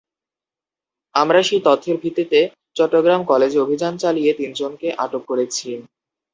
আমরা সেই তথ্যের ভিত্তিতে চট্টগ্রাম কলেজে অভিযান চালিয়ে তিনজনকে আটক করেছি।